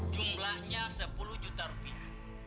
jumlahnya sepuluh juta rupiah